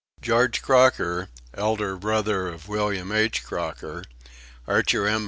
George Crocker, elder brother of William H. Crocker; Archer M.